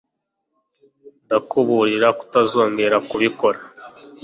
Ndakuburira kutazongera kubikora